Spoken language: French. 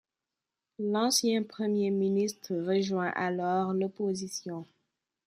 L'ancien premier ministre rejoint alors l'opposition.